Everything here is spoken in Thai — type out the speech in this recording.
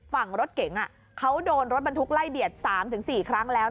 ฝั่งรถเก๋งเขาโดนรถบรรทุกไล่เบียด๓๔ครั้งแล้ว